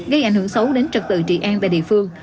gây ảnh hưởng xấu đến trật tự trị an tại địa phương